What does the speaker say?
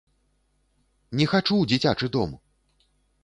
Не хачу ў дзіцячы дом!